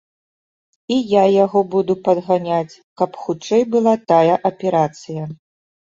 І я яго буду падганяць, каб хутчэй была тая аперацыя.